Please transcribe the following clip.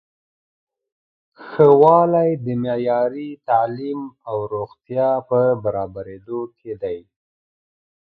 ښه والی د معیاري تعلیم او روغتیا په برابریدو کې دی.